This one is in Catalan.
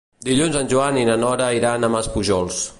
Dilluns en Joan i na Nora iran a Maspujols.